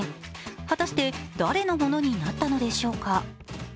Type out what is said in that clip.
果たして、誰のものになったのでしょうか。